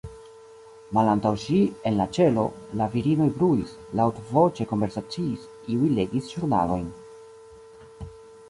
Malantaŭ ŝi, en la ĉelo, la virinoj bruis, laŭtvoĉe konversaciis, iuj legis ĵurnalojn.